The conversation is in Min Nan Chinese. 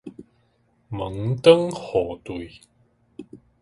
門當戶對